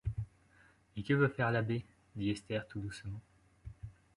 Et que veut faire l’abbé? dit Esther tout doucement.